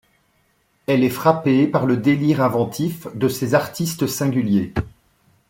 Elle est frappée par le délire inventif de ces artistes singuliers.